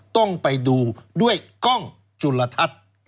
ต้องไปดูด้วยกล้องจุลทัศน์